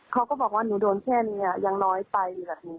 เขาก็บอกว่าหนูโดนแค่นี้ยังน้อยไปแบบนี้